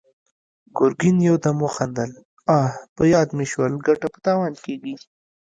ګرګين يودم وخندل: اه! په ياد مې شول، ګټه په تاوان کېږي!